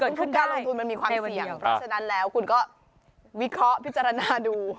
คือการลงทุนมันมีความเสี่ยงเพราะฉะนั้นแล้วคุณก็วิเคราะห์พิจารณาดู